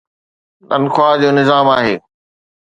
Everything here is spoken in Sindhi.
تنخواه جو نظام آهي.